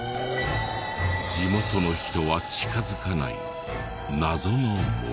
地元の人は近づかない謎の森。